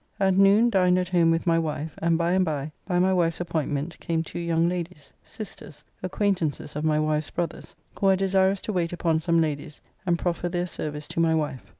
At noon dined at home with my wife, and by and by, by my wife's appointment came two young ladies, sisters, acquaintances of my wife's brother's, who are desirous to wait upon some ladies, and proffer their service to my wife.